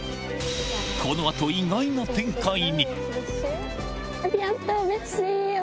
このあと、意外な展開に。